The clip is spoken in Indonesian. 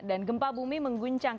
dan gempa bumi mengguncang